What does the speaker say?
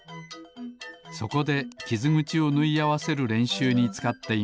そこできずぐちをぬいあわせるれんしゅうにつかっています。